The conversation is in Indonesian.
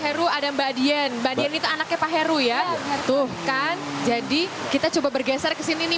heru ada mbak dian mbak dian itu anaknya pak heru ya tuh kan jadi kita coba bergeser ke sini nih